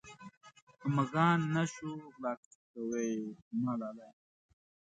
مږان نه شو غلا کوې زما لالیه.